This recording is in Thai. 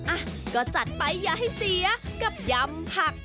อ่ะก็จัดไปอย่าให้เสียกับยำผัก